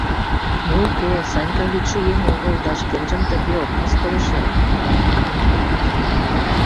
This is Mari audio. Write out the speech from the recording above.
Ну уке, Санька лӱдшӧ еҥ огыл да шкенжым тыге ок мыскылыше.